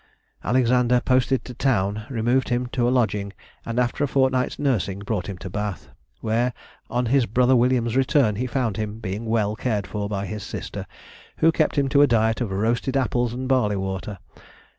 Alexander posted to town, removed him to a lodging, and after a fortnight's nursing, brought him to Bath, where, on his brother William's return, he found him being well cared for by his sister, who kept him to a diet of "roasted apples and barley water."